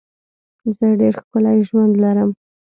زه ډېر ښکلی ژوند لرم.